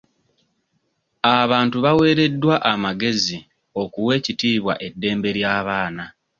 Abantu baaweereddwa amagezi okuwa ekitiibwa eddembe ly'abaana.